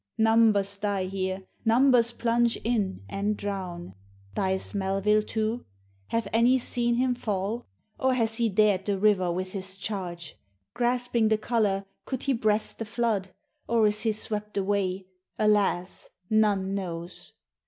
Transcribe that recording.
Numbers die here; numbers plunge in and drown. Dies Melville too? Have any seen him fall? Or has he dared the river with his charge? Grasping the COLOUR, could he breast the flood? Or is he swept away? Alas! none knows.